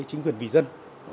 chính quyền vì dân